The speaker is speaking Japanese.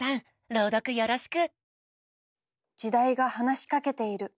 朗読よろしく！